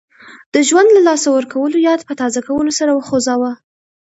د ژوند له لاسه ورکولو یاد په تازه کولو سر وخوځاوه.